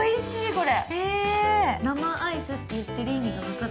これ。